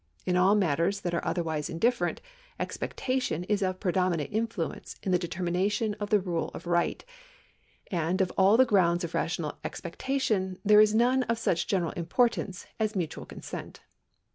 In all matters that are otherwise indifferent, expectation is of predominant influence in the determination of the rule of right, and of all the grounds of rational expectation there is none of such general importance as mutual consent.